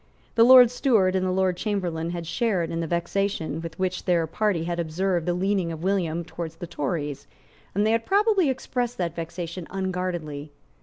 The Lord Steward and the Lord Chamberlain had shared in the vexation with which their party had observed the leaning of William towards the Tories; and they had probably expressed that vexation unguardedly.